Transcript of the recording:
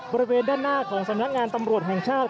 บริเวณด้านหน้าของสำนักงานตำรวจแห่งชาติ